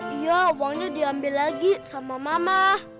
dia uangnya diambil lagi sama mama